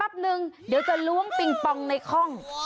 เดี๋ยวจะล้วนปิ้งปองในข้อง